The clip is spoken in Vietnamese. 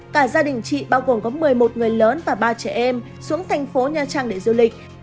cả gia đình chị bao gồm có một mươi một người lớn và ba trẻ em xuống thành phố nha trang để du lịch